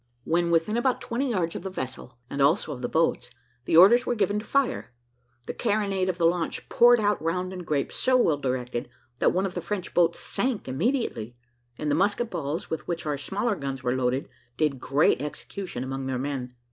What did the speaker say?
When within about twenty yards of the vessel, and also of the boats, the orders were given to fire the carronade of the launch poured out round and grape so well directed, that one of the French boats sank immediately; and the musket balls with which our other smaller guns were loaded, did great execution among their men.